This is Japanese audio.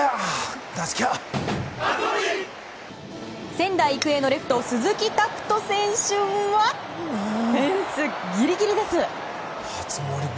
仙台育英のレフト鈴木拓斗選手はフェンスギリギリです。